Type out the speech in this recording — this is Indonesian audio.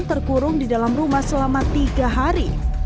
terkurung di dalam rumah selama tiga hari